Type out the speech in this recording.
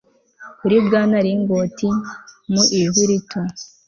kuri bwana lingot, mu ijwi rito